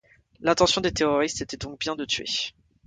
L'intention des terroristes était donc bien de tuer.